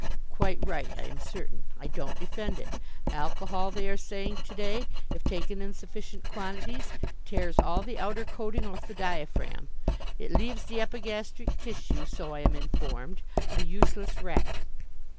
Quite right, I am certain. I don't defend it. Alcohol, they are saying to day, if taken in sufficient quantities, tears all the outer coating off the diaphragm. It leaves the epigastric tissue, so I am informed, a useless wreck.